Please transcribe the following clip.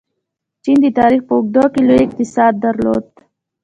چین د تاریخ په اوږدو کې لوی اقتصاد درلود.